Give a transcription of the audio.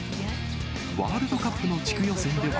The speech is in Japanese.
ワールドカップの地区予選では、